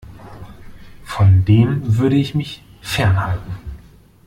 Von dem würde ich mich fernhalten.